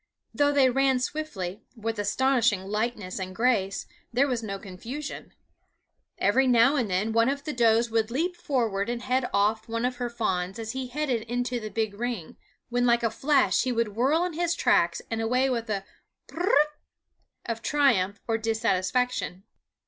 Though they ran swiftly, with astonishing lightness and grace, there was no confusion. Every now and then one of the does would leap forward and head off one of her fawns as he headed into the big ring, when like a flash he would whirl in his tracks and away with a bl r r t! of triumph or dissatisfaction.